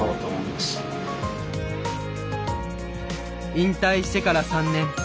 引退してから３年。